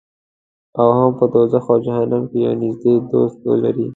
او هم په دوزخ او جهنم کې یو نږدې دوست ولري.